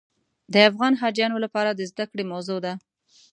د افغان حاجیانو لپاره د زده کړې موضوع ده.